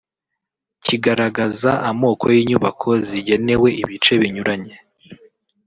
kigaragaza amoko y’inyubako zigenewe ibice binyuranye